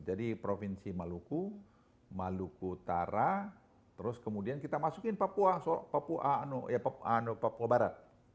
jadi provinsi maluku maluku utara terus kemudian kita masukin papua barat